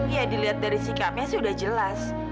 ya dilihat dari sikapnya sih udah jelas